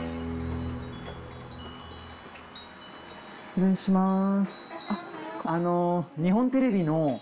失礼します。